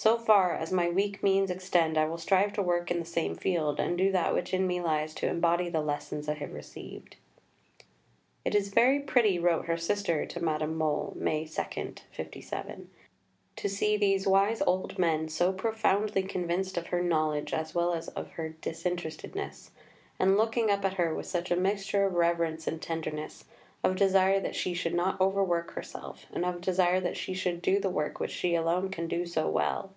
So far as my weak means extend I will strive to work in the same field, and do that which in me lies to embody the lessons I have received." "It is very pretty," wrote her sister to Madame Mohl (May 2, '57), "to see these wise old men so profoundly convinced of her knowledge as well as of her disinterestedness, and looking up at her with such a mixture of reverence and tenderness, of desire that she should not overwork herself, and of desire that she should do the work which she alone can do so well."